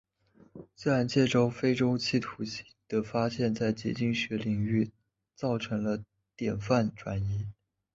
自然界中非周期图形的发现在结晶学领域造成了典范转移。